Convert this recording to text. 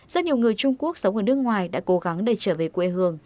rất nhiều người trung quốc sống ở nước ngoài đã cố gắng để trở về quê hương